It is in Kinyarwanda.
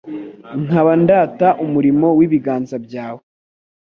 nkaba ndata umurimo w’ibiganza byawe